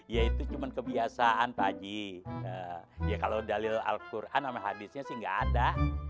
ya itu cuma kebiasaan pak ji ya kalau dalil alquran namanya haditsnya sih nggak ada